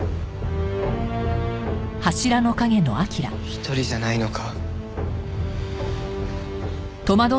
１人じゃないのか。